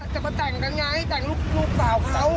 จะมาแต่งกันไงแต่งลูกสาวเขา